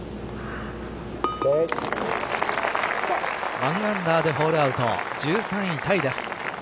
１アンダーでホールアウト１３位タイです。